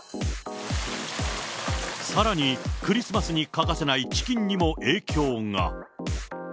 さらにクリスマスに欠かせないチキンにも影響が。